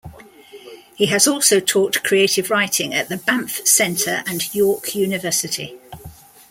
He has also taught creative writing at the Banff Centre and York University.